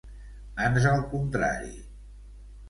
Ans al contrari.